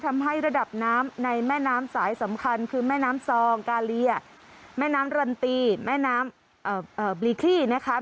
ทำให้ระดับน้ำในแม่น้ำสายสำคัญคือแม่น้ำซองกาเลียแม่น้ำรันตีแม่น้ำบลีคลี่นะคะ